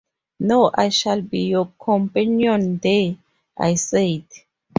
‘No, I shall be your companion there,’ I said.